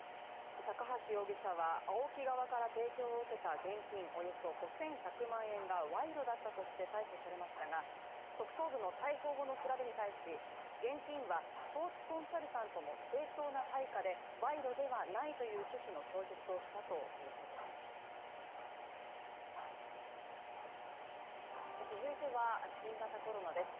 高橋容疑者は、ＡＯＫＩ側から提供を受けた現金およそ５１００万円が賄賂だったとして逮捕されましたが特捜部の逮捕後の調べに対し現金はスポーツコンサルタントの正当な対価で賄賂ではないという趣旨の供述をしたということです。